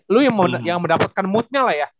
lu yang mendapatkan moodnya lah ya